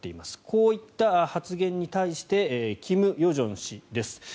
こういった発言に対して金与正氏です。